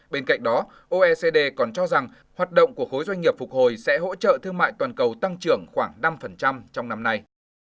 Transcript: bên cạnh đó oecd còn cho rằng hoạt động của khối doanh nghiệp phục hồi sẽ hỗ trợ thương mại toàn cầu tăng trưởng khoảng năm trong năm nay